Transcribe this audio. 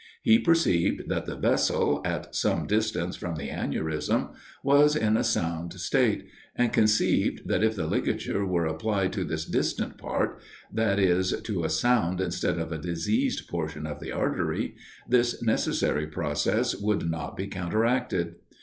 He perceived that the vessel, at some distance from the aneurism, was in a sound state; and conceived, that if the ligature were applied to this distant part, that is, to a sound instead of a diseased portion of the artery, this necessary process would not be counteracted.